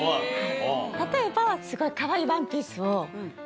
例えばすごい。